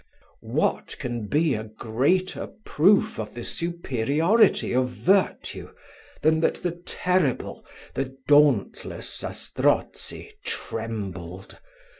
What can be a greater proof of the superiority of virtue, than that the terrible, the dauntless Zastrozzi trembled!